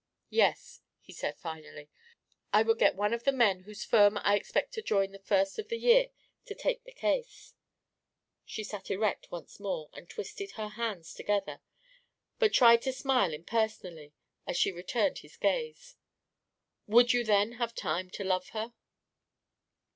"Yes," he said finally. "I would get one of the men whose firm I expect to join the first of the year to take the case." She sat erect once more and twisted her hands together, but tried to smile impersonally as she returned his gaze. "Would you then have time to love her?"